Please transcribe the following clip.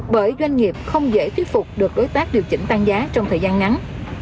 bởi doanh nghiệp không dễ thuyết phục được đối tác điều chỉnh tăng giá trong thời gian ngắn